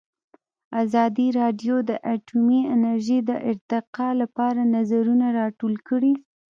ازادي راډیو د اټومي انرژي د ارتقا لپاره نظرونه راټول کړي.